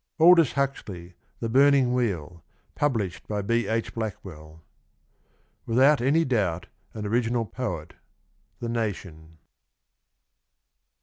Aldotis Huxley. THE BURNING WHEEL. Published by B. H. Blackwell. Without any doubt an original poet. — The Nation.